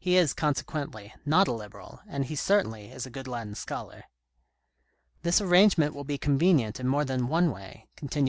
He is, consequently, not a Liberal, and he certainly is a good Latin scholar. "jThis arrangement will be convenient in more than one way," continued M.